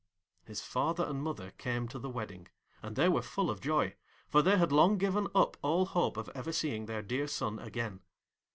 His father and mother came to the wedding, and they were full of joy, for they had long given up all hope of ever seeing their dear son again.